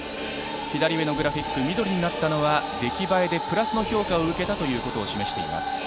左上のグラフィックが緑になったのは出来栄えでプラスの評価を受けたことを示しています。